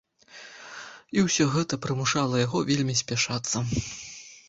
І ўсё гэта прымушала яго вельмі спяшацца.